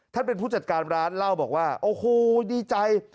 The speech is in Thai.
เป็นผู้จัดการร้านเล่าบอกว่าโอ้โหดีใจ